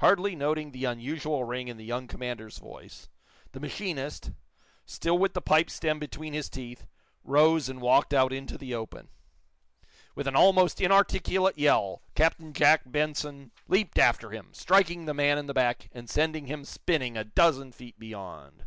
Hardly noting the unusual ring in the young commander's voice, the machinist, still with the pipe stem between his teeth, rose and walked out into the open. With an almost inarticulate yell Captain Jack Benson leaped after him, striking the man in the back and sending him spinning a dozen feet beyond.